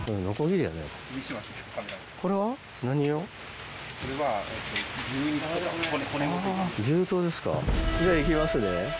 じゃあ行きますね。